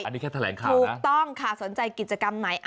อันนี้แค่แถลงข่าวถูกต้องค่ะสนใจกิจกรรมไหน